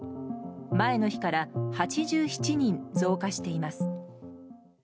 前の日から８７人増加しています。